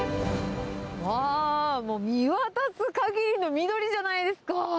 わー、もう見渡すかぎりの緑じゃないですか。